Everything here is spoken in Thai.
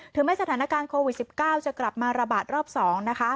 ไม่สถานการณ์โควิด๑๙จะกลับมาระบาดรอบ๒นะคะ